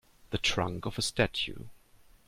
The trunk of a statue.